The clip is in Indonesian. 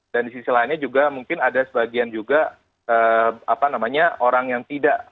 dan di sisi lainnya juga mungkin ada sebagian juga orang yang tidak